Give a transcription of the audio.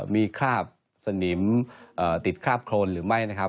มีคราบสนิมติดคราบโครนหรือไม่นะครับ